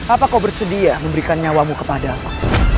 apa kau bersedia memberikan nyawamu kepada aku